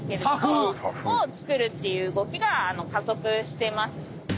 作るっていう動きが加速してます。